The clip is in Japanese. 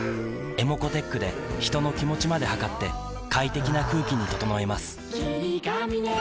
ｅｍｏｃｏーｔｅｃｈで人の気持ちまで測って快適な空気に整えます